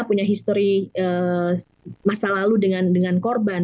punya histori masa lalu dengan korban